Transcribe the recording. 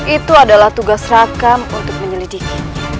itu adalah tugas rakam untuk menyelidiki